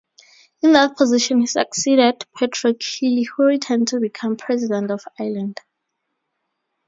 In that position he succeeded Patrick Hillery who returned to become President of Ireland.